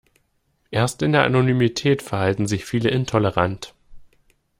Erst in der Anonymität verhalten sich viele intolerant.